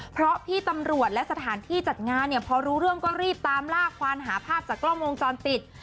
เพราะพี่ตำรวจและสถานที่จัดงานเนี่ยพอรู้เรื่องก็รีบตามลากควานหาภาพจากกล้องวงจรปิด